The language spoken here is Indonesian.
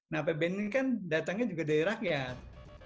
nah apbn ini kan datangnya juga dari rakyat